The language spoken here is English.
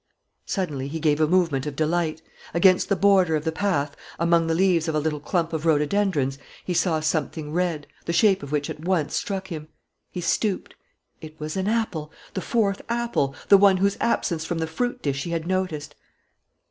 Suddenly he gave a movement of delight. Against the border of the path, among the leaves of a little clump of rhododendrons, he saw something red, the shape of which at once struck him. He stooped. It was an apple, the fourth apple, the one whose absence from the fruit dish he had noticed.